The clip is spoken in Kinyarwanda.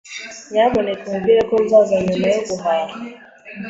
Nyamuneka umubwire ko nzaza nyuma yo guhaha